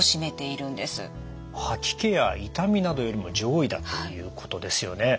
吐き気や痛みなどよりも上位だということですよね。